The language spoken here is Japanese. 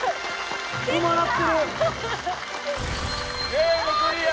ゲームクリア！